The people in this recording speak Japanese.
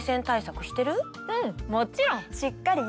うんもちろん！